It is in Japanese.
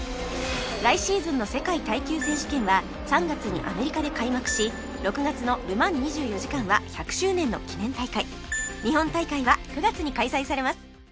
来シーズンの世界耐久選手権は３月にアメリカで開幕し６月のル・マン２４時間は１００周年の記念大会日本大会は９月に開催されます